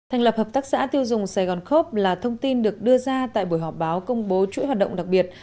thành lập hợp tác xã tiêu dùng sài gòn khốp là thông tin được đưa ra tại buổi họp báo công bố chuỗi hoạt động đặc biệt